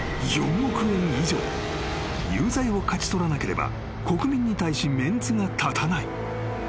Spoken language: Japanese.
［有罪を勝ち取らなければ国民に対しメンツが立たない］